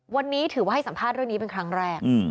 วันนี้ถือว่าให้สัมภาษณ์เรื่องนี้เป็นครั้งแรก